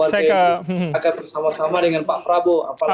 akan bersama sama dengan pak prabowo